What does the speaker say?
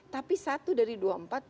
tapi satu dari dua puluh empat